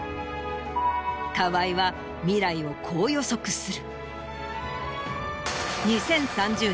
河合は未来をこう予測する。